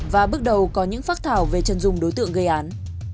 và bước đầu có những phác thảo về chân dung đối tượng gây án